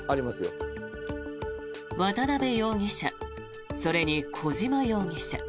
渡邉容疑者それに小島容疑者。